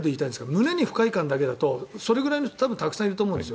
胸に不快感だけだとそれぐらいの人多分たくさんいると思うんですよ。